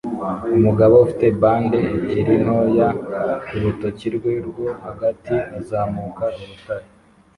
Umugabo ufite bande ebyiri ntoya kurutoki rwe rwo hagati azamuka urutare